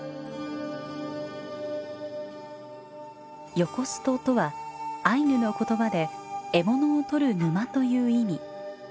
「ヨコスト」とはアイヌの言葉で「獲物をとる沼」という意味。